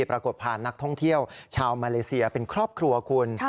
ปรากฏผ่านนักท่องเที่ยวชาวมาเลเซียเป็นครอบครัวคุณ